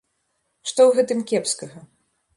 Што ў гэтым кепскага?